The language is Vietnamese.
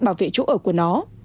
bảo vệ chỗ ở của nó